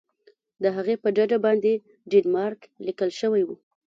د هغې په ډډه باندې ډنمارک لیکل شوي وو.